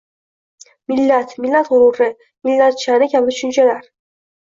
«Millat», «millat g‘ururi», «millat sha’ni» kabi tushunchalar